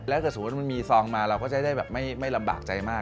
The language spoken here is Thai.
แล้วเกิดสมมุติมันมีซองมาเราก็จะได้แบบไม่ลำบากใจมาก